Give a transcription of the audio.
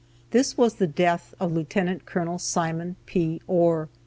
This was the death of Lieut. Col. Simon P. Ohr.